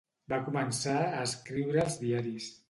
Va començar a escriure als diaris.